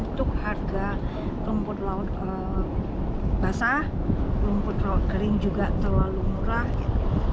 untuk harga rumput laut basah rumput kering juga terlalu murah gitu